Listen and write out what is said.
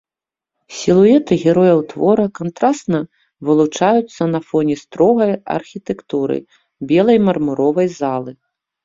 Сілуэты герояў твора кантрасна вылучаюцца на фоне строгай архітэктуры белай мармуровай залы.